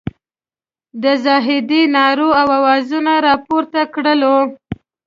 د زاهدي نارو او اوازونو راپورته کړلو.